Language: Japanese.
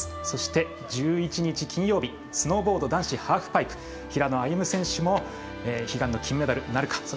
そして、１１日、金曜日スノーボード男子ハーフパイプ平野歩夢選手も悲願の金メダルなるか。